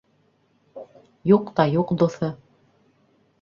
Юҡ та юҡ дуҫы.